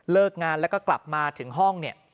งานแล้วก็กลับมาถึงห้องเนี่ย